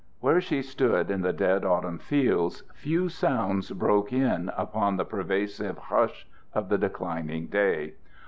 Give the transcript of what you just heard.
Where she stood in the dead autumn fields few sounds broke in upon the pervasive hush of the declining day.